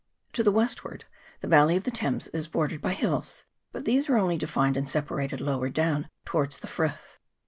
To the westward the valley of the Thames is bordered by hills ; but these are only denned and separated lower down towards the frith.